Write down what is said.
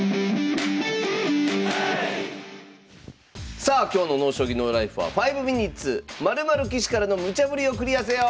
さあ今日の「ＮＯ将棋ＮＯＬＩＦＥ」は「５ｍｉｎｕｔｅｓ○○棋士からのムチャぶりをクリアせよ」！